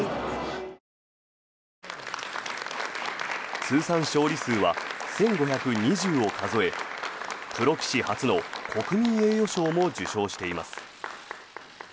通算勝利数は１５２０を数えプロ棋士初の国民栄誉賞も受賞しています。